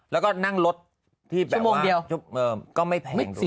ต้องลดที่แบบว่าไม่แพง